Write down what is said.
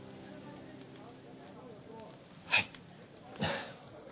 はい。